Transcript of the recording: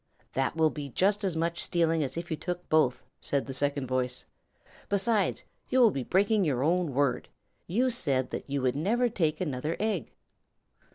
"That will be just as much stealing as if you took both," said the second voice. "Besides, you will be breaking your own word. You said that you never would take another egg."